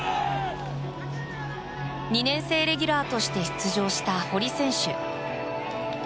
２年生レギュラーとして出場した堀選手。